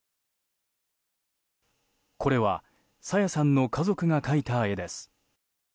これは朝芽さんの家族が描いた絵です。